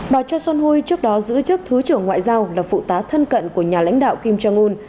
bà cho sosoon hui trước đó giữ chức thứ trưởng ngoại giao là phụ tá thân cận của nhà lãnh đạo kim jong un